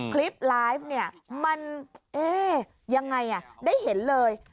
คลิปไลฟ์เนี่ยมันเอ๊ยังไงได้เห็นเลย